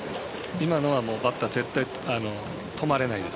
今のはバッター絶対止まれないです。